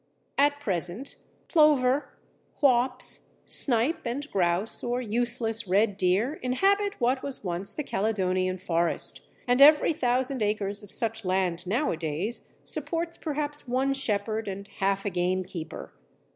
At present plover, whaups, snipe, and grouse, or useless red deer, inhabit what was once the Caledonian forest, and every thousand acres of such land nowadays supports perhaps one shepherd and half a gamekeeper.